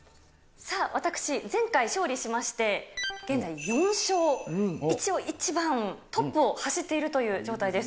さあ、私、前回勝利しまして、現在４勝、一応一番トップを走っているという状態です。